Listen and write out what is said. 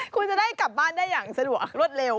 คุณจะได้กลับบ้านได้อย่างสะดวกรวดเร็ว